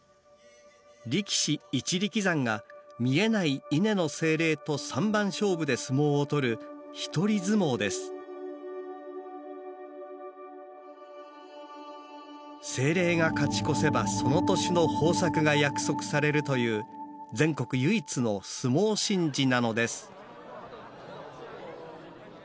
力士「一力山」が見えない稲の精霊と三番勝負で相撲を取る精霊が勝ち越せばその年の豊作が約束されるという全国唯一の相撲神事なのです。